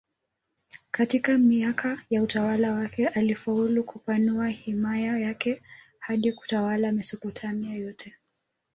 Katika miaka ya utawala wake alifaulu kupanua himaya yake hadi kutawala Mesopotamia yote.